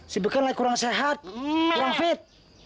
si beken lagi kurang sehat kurang fit